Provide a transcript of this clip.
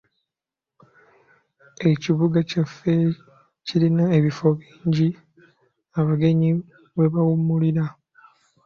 Ekibuga kyaffe kirina ebifo bingi abagenyi mwe bawummulira.